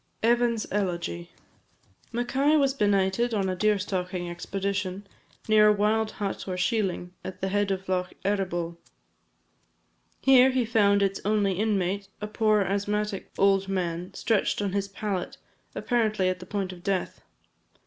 A common Highland adjuration. EVAN'S ELEGY. Mackay was benighted on a deer stalking expedition, near a wild hut or shealing, at the head of Loch Eriboll. Here he found its only inmate a poor asthmatic old man, stretched on his pallet, apparently at the point of death.